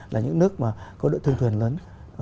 là những nước có đội thương thuyền lớn